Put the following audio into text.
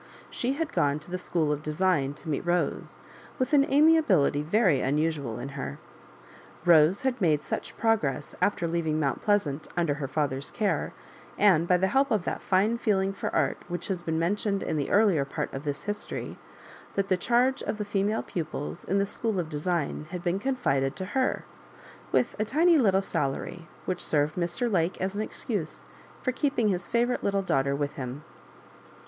She had gone to the School of Design to meet Bose, with an amiability very unusual in her. Rose had made such progress, after leaving Mount Plea sant, under her father's care, and hy the help of that fine feeling for art which baa been men tioned in the earlier part of this history, that the charge of the female pupils in the School of De sign had been oonfided to her, with a tiny little salary, which served Mr. Lake as an excuse for keeping his favourite little daughter with him.